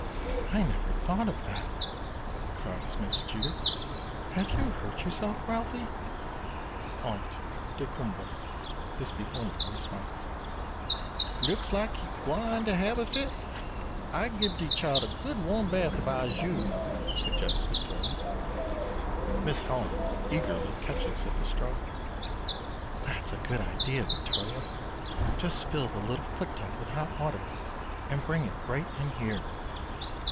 "I never thought of that," cries Miss Judith. "Have you hurt yourself, Ralphie?" "Ont daykumboa," is the only response. "Looks like he gwine to hab a fit. I gib de chile a good warm bath, if I's you," suggests Victoria. Miss Helena eagerly catches at the straw. "That's a good idea, Victoria. Just fill the little foot tub with hot water, and bring it right in here."